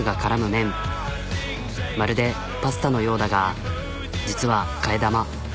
まるでパスタのようだが実は替え玉。